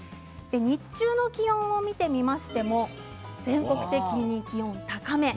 日中の気温を見てみましても全国的に気温は高め。